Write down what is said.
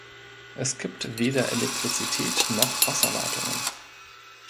Es gibt weder Elektrizität noch Wasserleitungen.